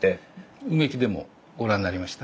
埋木でもご覧になりました？